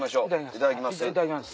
いただきます。